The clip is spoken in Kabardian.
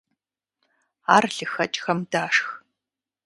Ар лыхэкIхэм дашх.